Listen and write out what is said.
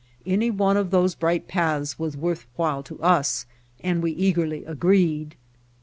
Any one of those bright paths was worth while to us, and we eagerly agreed.